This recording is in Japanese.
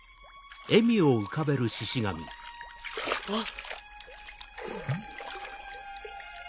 あっ。